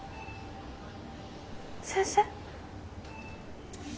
先生？